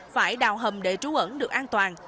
phải đào hầm để trú ẩn được an toàn